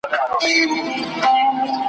له مکتبه رخصت سویو ماشومانو `